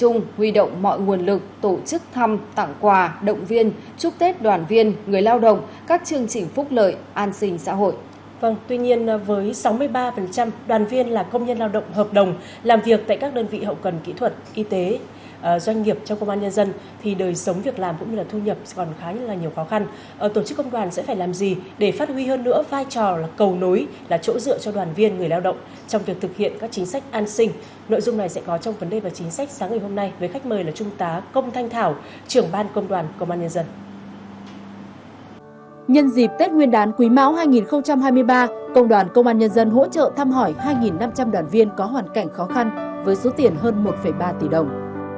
nhân dịp tết nguyên đán quý máu hai nghìn hai mươi ba công đoàn công an nhân dân hỗ trợ thăm hỏi hai năm trăm linh đoàn viên có hoàn cảnh khó khăn với số tiền hơn một ba tỷ đồng